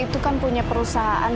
itu kan punya perusahaan